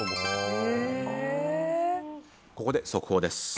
ここで速報です。